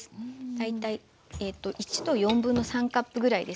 大体１3/4カップぐらいですね。